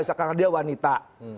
misalkan dia wanita